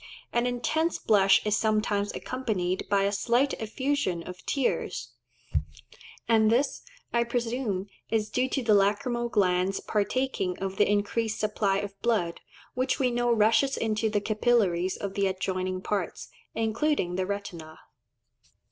An intense blush is sometimes accompanied by a slight effusion of tears; and this, I presume, is due to the lacrymal glands partaking of the increased supply of blood, which we know rushes into the capillaries of the adjoining parts, including the retina.